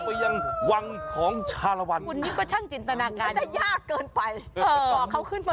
เฮ้ยใช่จริงไหม